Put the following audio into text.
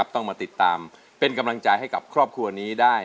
ต้องมาติดตามเป็นกำลังใจให้กับครอบครัวนี้ได้